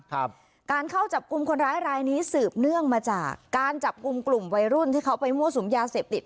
การเข้าจับกลุ่มคนร้ายรายนี้สืบเนื่องมาจากการจับกลุ่มกลุ่มวัยรุ่นที่เขาไปมั่วสุมยาเสพติด